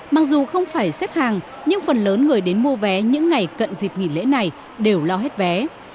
mặc dù không phải xếp hàng nhưng phần lớn người đến mua vé những ngày cận dịp nghỉ lễ này đều lo hết vé